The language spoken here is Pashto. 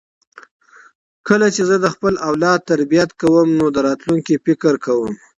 کله چې زه د خپل اولاد تربیت کوم نو د راتلونکي فکر کوم.